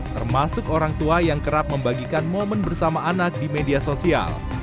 termasuk orang tua yang kerap membagikan momen bersama anak di media sosial